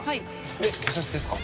えっ警察ですか？